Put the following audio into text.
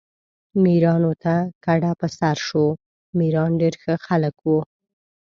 میرانو ته کډه په سر شو، میران ډېر ښه خلک وو.